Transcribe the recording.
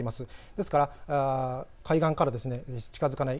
ですから海岸に近づかない。